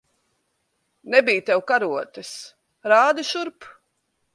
Nebij tev karotes. Rādi šurp!